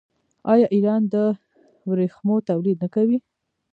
آیا ایران د ورېښمو تولید نه کوي؟